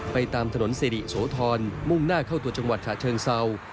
ตามถนนสิริโสธรมุ่งหน้าเข้าตัวจังหวัดฉะเชิงเศร้า